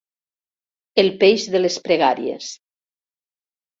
El peix de les pregàries.